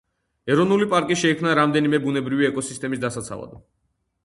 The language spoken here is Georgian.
ეროვნული პარკი შეიქმნა რამდენიმე ბუნებრივი ეკოსისტემის დასაცავად.